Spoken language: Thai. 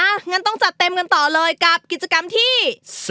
งั้นต้องจัดเต็มกันต่อเลยกับกิจกรรมที่